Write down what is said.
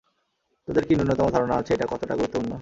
তোদের কি ন্যূনতম ধারণা আছে এটা কতটা গুরুত্বপূর্ণ?